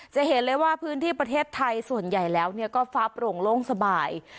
จะเห็นเลยว่าพื้นที่ประเทศไทยส่วนใหญ่แล้วก็ฟ้าโปร่งโล่งสบาย